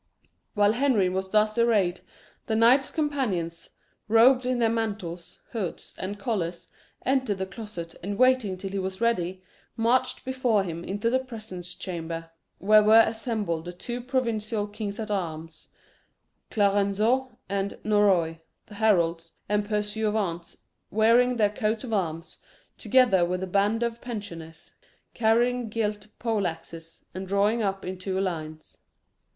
While Henry was thus arrayed, the knights companions, robed in their mantles, hoods, and collars, entered the closet, and waiting till he was ready, marched before him into the presence chamber, where were assembled the two provincial kings at arms, Clarenceux and Norroy, the heralds, and pursuivants, wearing their coats of arms, together with the band of pensioners, carrying gilt poleaxes, and drawn up in two lines.